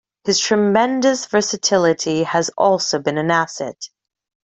His tremendous versatility has also been an asset.